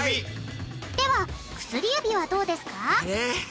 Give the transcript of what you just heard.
では薬指はどうですか？